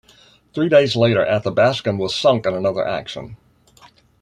Three days later "Athabaskan" was sunk in another action.